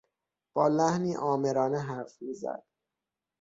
با لحنی آمرانه حرف میزد.